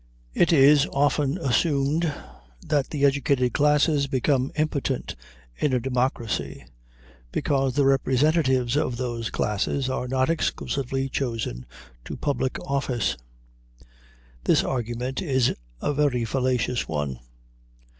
It is often assumed that the educated classes become impotent in a democracy, because the representatives of those classes are not exclusively chosen to public office. This argument is a very fallacious one.